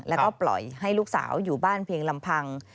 แล้วก็ปล่อยให้ลูกสาวอยู่บ้านเพียงลำพัง